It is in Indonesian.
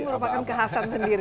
ini merupakan kehasan sendiri